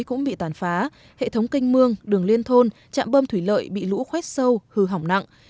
nước lũ bị tàn phá hệ thống canh mương đường liên thôn chạm bơm thủy lợi bị lũ khoét sâu hư hỏng nặng